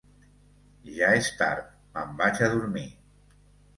Ja és tard; me'n vaig a dormir.